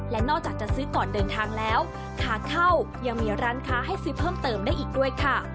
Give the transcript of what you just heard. และนอกจากจะซื้อก่อนเดินทางแล้วขาเข้ายังมีร้านค้าให้ซื้อเพิ่มเติมได้อีกด้วยค่ะ